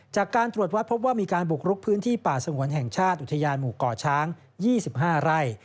จากการตรวจวัดพบว่ามีการบุกรุกพื้นที่ป่าสงวนแห่งชาติอุทยานหมู่เกาะช้าง๒๕ไร่